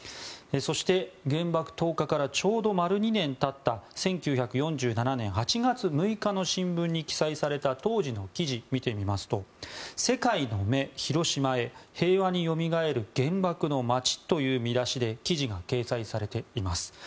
そして、原爆投下からちょうど丸２年経った１９４７年８月６日の新聞に記載された当時の記事を見ると「世界の眼廣島へ平和に蘇る原爆の街」という見出しで記事が掲載されています。